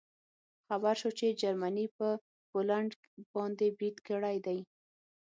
خبر شوو چې جرمني په پولنډ باندې برید کړی دی